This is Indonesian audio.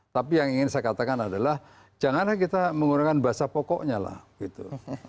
tapi yang ingin saya katakan adalah janganlah kita menggunakan bahasa pokoknya lah gitu